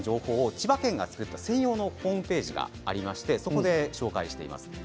千葉県が作った専用のページがありましてそこで紹介しています。